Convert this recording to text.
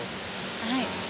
はい。